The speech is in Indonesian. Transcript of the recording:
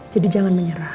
jadi jangan menyerah